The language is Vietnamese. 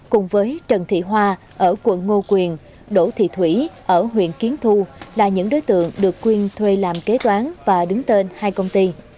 cùng với trần thị hoa ở quận ngô quyền đỗ thị thủy ở huyện kiến thu là những đối tượng được quyền thuê làm kế toán và đứng tên hai công ty